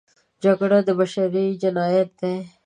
جګړه بشري جنایت دی.